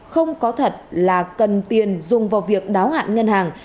không có thật là cần tiền dùng vào việc đáo hạn ngân hàng